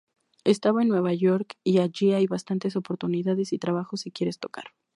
Estaba en Nueva York, y allí hay bastantes oportunidades y trabajo si quieres tocar.